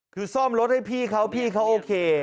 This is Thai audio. คือซ่อมรถให้พี่เขาพี่เขาโอเค